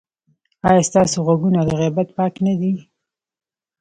ایا ستاسو غوږونه له غیبت پاک نه دي؟